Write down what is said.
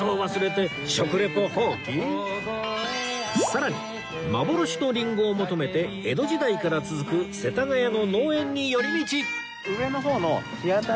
さらに幻のリンゴを求めて江戸時代から続く世田谷の農園に寄り道